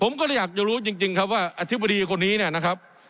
ผมก็เลยอยากจะรู้จริงครับว่าอธิบดีคนนี้เนี่ยนะครับ